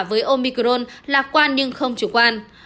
với omicron lạc quan nhưng không chủ quan